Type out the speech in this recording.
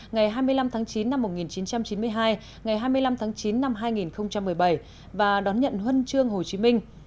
ngày hai mươi năm tháng chín năm một nghìn chín trăm chín mươi hai ngày hai mươi năm tháng chín năm hai nghìn một mươi bảy và đón nhận huân chương hồ chí minh